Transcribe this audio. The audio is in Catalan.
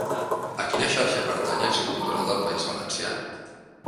A quina xarxa pertany Acció Cultural del País Valencià?